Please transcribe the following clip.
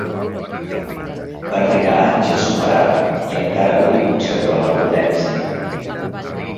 Va trigar anys a superar-ho, i encara avui conserva la prudència.